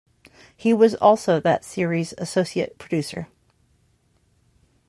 He was also that series' associate producer.